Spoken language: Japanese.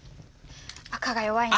赤が弱いな。